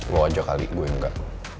dua aja kali gue enggak